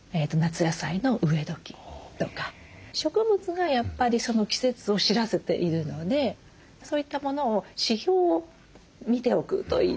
植物がやっぱりその季節を知らせているのでそういったものを指標を見ておくといいと思います。